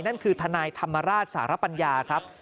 นั่นคือทนายธรรมราชสารปัญญาครับ